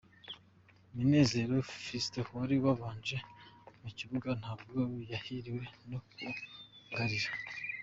Munezero Fiston wari wabanje mu kibuga ntabwo yahiriwe no kugarira.